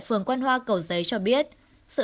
phường quan hoa cầu giấy cho biết sự